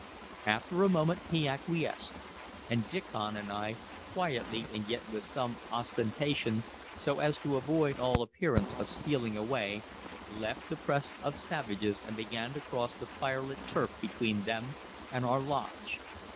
After a moment he acquiesced, and Diccon and I, quietly and yet with some ostentation, so as to avoid all appearance of stealing away, left the press of savages and began to cross the firelit turf between them and our lodge.